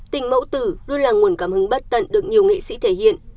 tình mẫu tử luôn là nguồn cảm hứng bất tận được nhiều nghệ sĩ thể hiện